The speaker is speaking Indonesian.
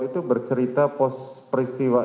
itu bercerita pos peristiwa